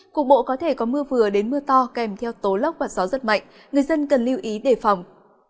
cục bộ có thể có mưa vừa đến mưa to kèm theo tố lốc và gió rất mạnh người dân cần lưu ý đề phòng